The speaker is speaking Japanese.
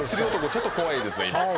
ちょっと怖いですね。